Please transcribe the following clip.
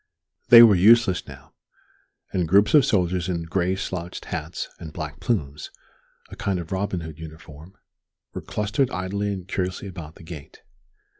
They were useless now; and groups of soldiers in gray slouched hats and black plumes a kind of Robin Hood uniform were clustered idly and curiously about the gate.